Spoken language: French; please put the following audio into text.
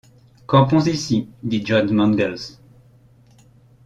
Campons ici, dit John Mangles.